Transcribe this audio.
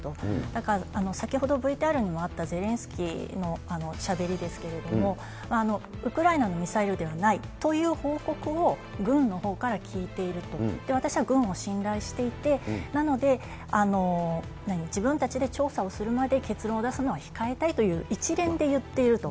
だから先ほどＶＴＲにもあったゼレンスキーのしゃべりですけれども、ウクライナのミサイルではないという報告を軍のほうから聞いていると、私は軍を信頼していて、なので、自分たちで調査をするまで結論を出すのは控えたいという一連で言っていると。